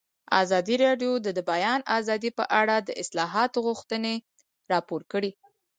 ازادي راډیو د د بیان آزادي په اړه د اصلاحاتو غوښتنې راپور کړې.